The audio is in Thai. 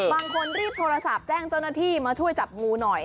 บางคนรีบโทรศัพท์แจ้งเจ้าหน้าที่มาช่วยจับงูหน่อย